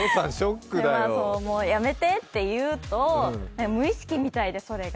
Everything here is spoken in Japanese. やめてって言うと、無意識みたいで、それが。